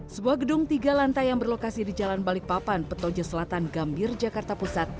sebuah gedung tiga lantai yang berlokasi di jalan balikpapan petoja selatan gambir jakarta pusat